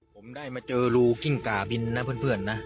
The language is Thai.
ผมได้มาเจอรูกิ้งก่าบินนะเพื่อนนะ